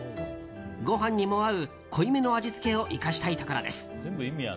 ご飯にも合う濃い目の味付けを生かしたいところです。